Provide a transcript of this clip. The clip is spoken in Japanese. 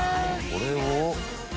これを？